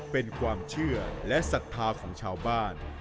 เป็นความเชื่อและศรัทธาของชาวบ้าน